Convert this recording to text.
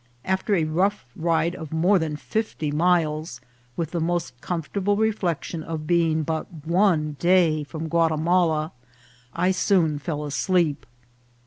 After a rough ride of more than fifty miles, with the most com fortable reflection of being but one day from Guatima la, I soon fell asleep.